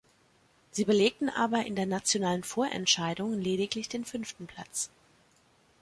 Sie belegten aber in der nationalen Vorentscheidung lediglich den fünften Platz.